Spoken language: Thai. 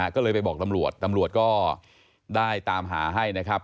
ก็เลยไปบอกตำรวจตำรวจก็ได้ตามหาให้นะครับ